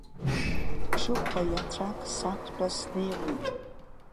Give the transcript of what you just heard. Ҽыхәа иаҵәак сақәтәа снеиуеит.